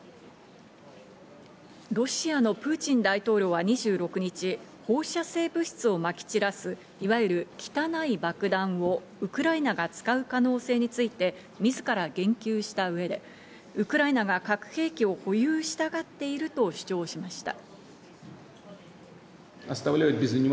ロシアのプーチン大統領は２６日、放射性物質をまき散らす、いわゆる「汚い爆弾」をウクライナが使う可能性について、自ら言及した上でウクライナが核兵器を保有したがっていると主張しました。